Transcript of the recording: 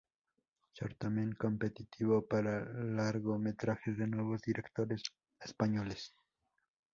Certamen competitivo para largometrajes de nuevos directores españoles.